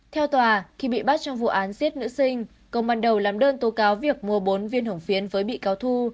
theo tòa khi bị bắt trong vụ án giết nữ sinh công an đầu làm đơn tố cáo việc mua bốn viên hổng phiến với bị cáo thu